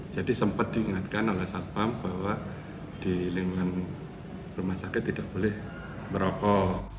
jadi sempat diingatkan oleh satpam bahwa di lingkungan rumah sakit tidak boleh berokok